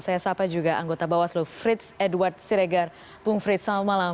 saya sapa juga anggota bawaslu frits edward siregar bung frits selamat malam